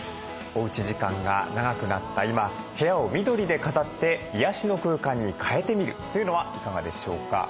おうち時間が長くなった今部屋を緑で飾って癒やしの空間に変えてみるというのはいかがでしょうか。